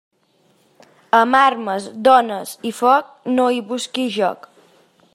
Amb armes, dones i foc, no hi busquis joc.